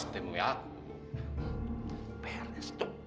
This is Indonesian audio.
tunggu awas lo